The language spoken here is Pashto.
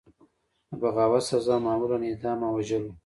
د بغاوت سزا معمولا اعدام او وژل وو.